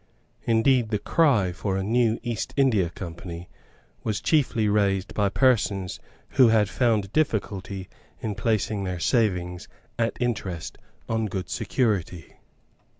Indeed the cry for a new East India Company was chiefly raised by persons who had found difficulty in placing their savings at interest on good security.